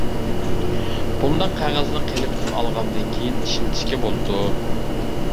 بۇنداق قەغەزنى قېلىپتىن ئالغاندىن كېيىن ئىشلىتىشكە بولىدۇ.